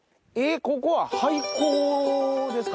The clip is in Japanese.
ここは廃校ですか？